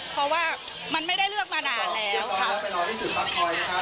เพราะว่ามันไม่ได้เลือกมานานแล้วค่ะ